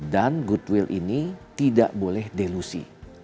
dan goodwill ini tidak boleh delusi